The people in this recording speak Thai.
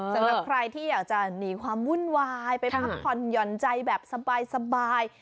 สำหรับใครที่อยากจะหนีความวุ่นวายไปพักผ่อนหย่อนใจแบบสบาย